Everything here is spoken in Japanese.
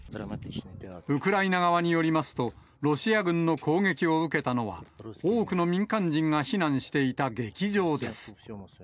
ウクライナ側によりますと、ロシア軍の攻撃を受けたのは、多くの民間人が避難していた劇場です。